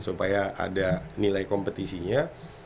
supaya ada nilai kompetisinya